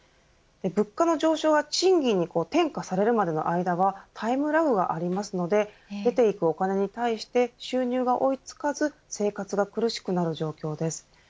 物価の上昇が賃金に転嫁されるまでの間はタイムラグがありますので出ていくお金に対して収入が追いつかず生活が苦しくなる状況です。